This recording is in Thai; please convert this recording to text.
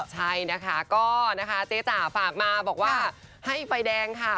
ใช่นะคะก็นะคะเจ๊จ๋าฝากมาบอกว่าให้ไฟแดงค่ะ